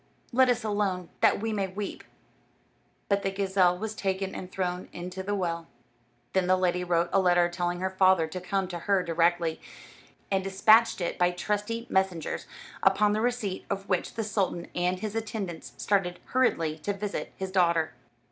Let us alone, that we may weep." But the gazelle was taken and thrown into the well. Then the lady wrote a letter telling her father to come to her directly, and despatched it by trusty messengers; upon the receipt of which the sultan and his attendants started hurriedly to visit his daughter.